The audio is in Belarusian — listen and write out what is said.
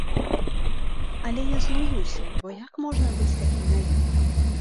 Але я злуюся, бо як можна быць такім наіўным?